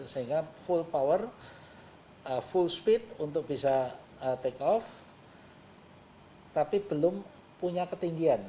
sehingga full power full speed untuk bisa take off tapi belum punya ketinggian